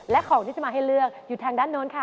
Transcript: และของที่จะมาให้เลือกอยู่ทางด้านโน้นค่ะ